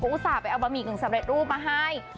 อุตส่าห์ไปเอาบะหมี่กึ่งสำเร็จรูปมาให้